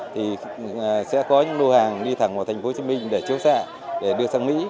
thì sẽ có những lô hàng đi thẳng vào thành phố hồ chí minh để chiếu xạ để đưa sang mỹ